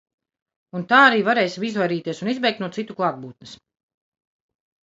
Un tā arī varēsim izvairīties un izbēgt no citu klātbūtnes.